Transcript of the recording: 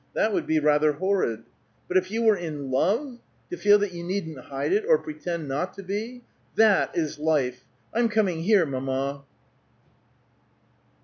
"That would be rather horrid. But if you were in love, to feel that you needn't hide it or pretend not to be! That is life! I'm coming here, mamma!"